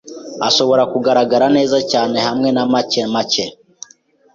Ashobora kugaragara neza cyane hamwe na make-make.